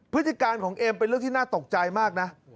พฤติการของเอมเป็นเรื่องที่น่าตกใจมากนะ